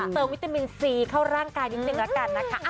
เติมวิตามินซีเข้าร่างกายนิดนึงละกันนะคะ